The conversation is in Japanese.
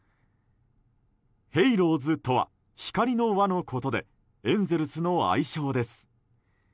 Ｈａｌｏｓとは光の輪のことでエンゼルスの愛称です。